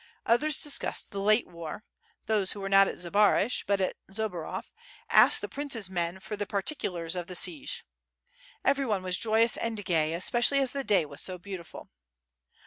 Others dis cussed the late war; those who were not at Zbaraj, but at Zborov, asked the prince's men for the particulars of the siege. Everyone was joyous and gay, especielly as the day was so beautiful.